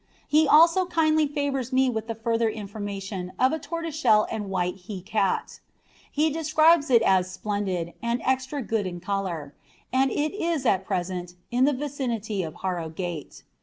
He also kindly favours me with the further information of a tortoiseshell and white he cat. He describes it as "splendid," and "extra good in colour," and it is at present in the vicinity of Harrogate.